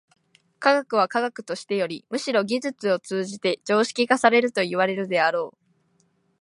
科学は科学としてよりむしろ技術を通じて常識化されるといわれるであろう。